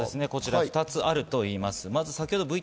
２つあるといいます。